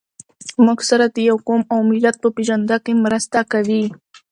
موږ سره د يوه قوم او ملت په پېژنده کې مرسته کوي.